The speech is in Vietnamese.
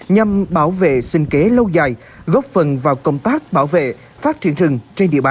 nhằm bảo vệ sinh kế lâu dài góp phần vào công tác bảo vệ phát triển rừng trên địa bàn